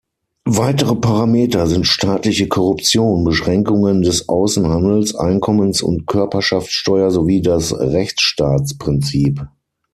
Weitere Parameter sind staatliche Korruption, Beschränkungen des Außenhandels, Einkommens- und Körperschaftssteuer, sowie das Rechtsstaatsprinzip.